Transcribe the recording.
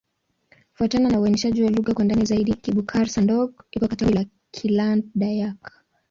Kufuatana na uainishaji wa lugha kwa ndani zaidi, Kibukar-Sadong iko katika kundi la Kiland-Dayak.